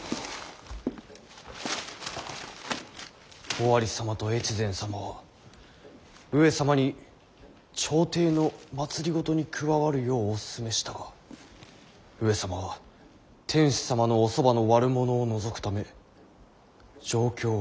「尾張様と越前様は上様に朝廷の政に加わるようお勧めしたが上様は天子様のおそばの悪者を除くため上京を決められた。